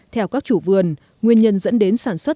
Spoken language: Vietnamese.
theo các chủ vườn nguyên nhân dẫn đến sản xuất